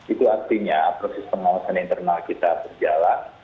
itu artinya proses pengawasan internal kita berjalan